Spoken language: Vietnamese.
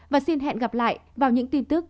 và xin hẹn gặp lại vào những tin tức